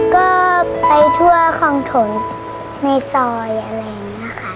ก็ไปทั่วของถนในซอยอะไรแบบนี้ค่ะ